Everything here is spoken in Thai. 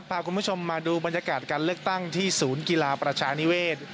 พาคุณผู้ชมมาดูบรรยากาศการเลือกตั้งที่ศูนย์กีฬาประชานิเวศ